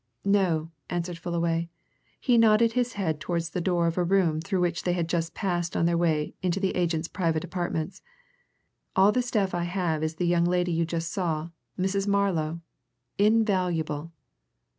"No," answered Fullaway. He nodded his head towards the door of a room through which they had just passed on their way into the agent's private apartments. "All the staff I have is the young lady you just saw Mrs. Marlow. Invaluable!"